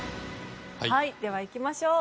はいではいきましょう。